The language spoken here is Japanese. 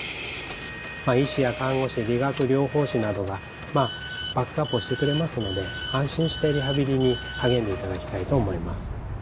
医師や看護師理学療法士などがバックアップをしてくれますので安心してリハビリに励んでいただきたいと思います。